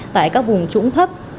tại các vùng trũng thấp